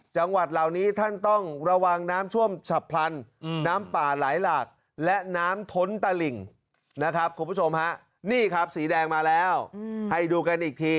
จังหวัดเหล่านี้ท่านต้องระวังน้ำท่วมฉับพลันน้ำป่าไหลหลากและน้ำท้นตะหลิ่งนะครับคุณผู้ชมฮะนี่ครับสีแดงมาแล้วให้ดูกันอีกที